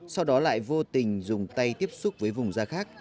sau đó lại vô tình dùng tay tiếp xúc với vùng da khác